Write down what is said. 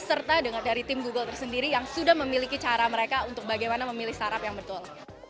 serta dari tim google tersendiri yang sudah memiliki cara mereka untuk bagaimana memilih startup yang betul